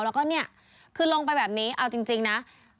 แล้วก็เนี่ยคือลงไปแบบนี้เอาจริงนะ